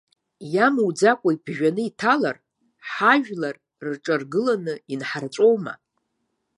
Иамуӡакәа иԥжәаны иҭалар, ҳажәлар рҿаргыланы инҳарҵәома?